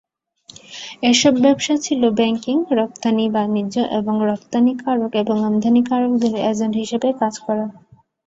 এসব ব্যবসা ছিল ব্যাংকিং, রপ্তানি বাণিজ্য এবং রপ্তানিকারক ও আমদানিকারকদের এজেন্ট হিসেবে কাজ করা।